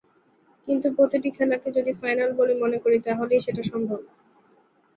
কিন্তু প্রতিটি খেলাকে যদি ফাইনাল বলে মনে করি, তাহলেই সেটা সম্ভব।